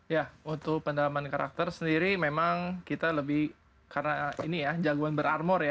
ya untuk pendalaman karakter sendiri memang kita lebih karena ini ya jagoan berarmor ya